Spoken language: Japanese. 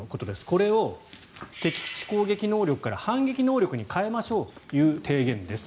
これを敵基地攻撃能力から反撃能力に変えましょうという提言です。